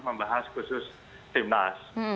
membahas khusus timnas